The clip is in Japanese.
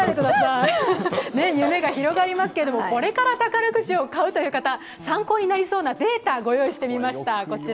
夢が広がりますけどもこれから宝くじを買うという方参考になりそうなデータご用意してみました。